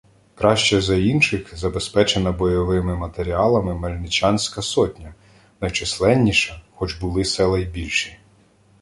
Краще за інших забезпечена бойовими матеріалами мельничанська сотня, найчисленніша, хоч були села й більші.